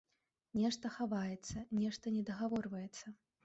Нешта хаваецца, нешта недагаворваецца.